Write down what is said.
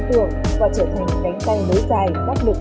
và trở thành cánh tay đối giải đáp lực